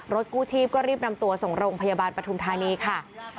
กู้ชีพก็รีบนำตัวส่งโรงพยาบาลปฐุมธานีค่ะ